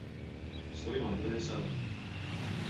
Slimā dvēsele.